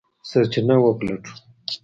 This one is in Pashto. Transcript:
سرچینه وپلټو.